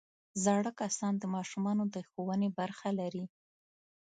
زاړه کسان د ماشومانو د ښوونې برخه لري